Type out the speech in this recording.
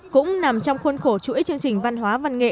cũng nằm trong khuôn khổ chuỗi chương trình văn hóa văn nghệ